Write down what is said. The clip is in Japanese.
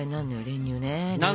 練乳ね。